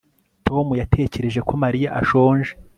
Tom yatekereje ko Mariya ashonje